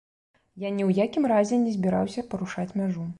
Я ні ў якім разе не збіраўся парушаць мяжу.